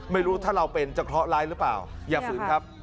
ไม่รู้ถ้าเราเป็นจะเคราะหร้ายหรือเปล่าอย่าฝืนครับ